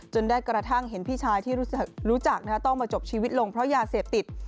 ได้กระทั่งเห็นพี่ชายที่รู้จักต้องมาจบชีวิตลงเพราะยาเสพติด